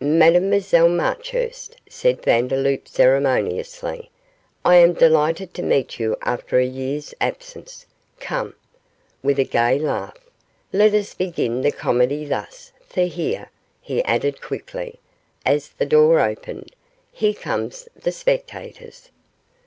'Mademoiselle Marchurst,' said Vandeloup, ceremoniously, 'I am delighted to meet you after a year's absence come,' with a gay laugh, 'let us begin the comedy thus, for here,' he added quickly, as the door opened, 'here comes the spectators.